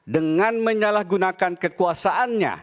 dengan menyalahgunakan kekuasaannya